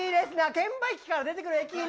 券売機から出てくる駅員。